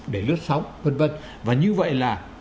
để lướt sóng vân vân và như vậy là